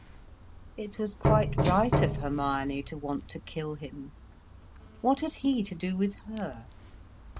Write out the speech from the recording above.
It was quite right of Hermione to want to kill him. What had he to do with her?